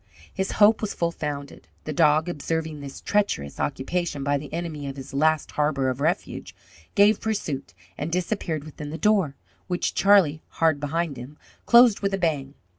His hope was well founded. The dog, observing this treacherous occupation by the enemy of his last harbour of refuge, gave pursuit and disappeared within the door, which Charlie, hard behind him, closed with a bang.